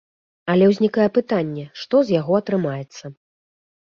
Але ўзнікае пытанне, што з яго атрымаецца.